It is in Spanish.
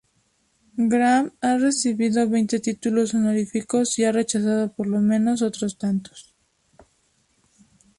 Graham ha recibido veinte títulos honoríficos y ha rechazado por lo menos otros tantos.